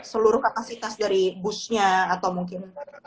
seluruh kapasitas dari busnya atau mungkin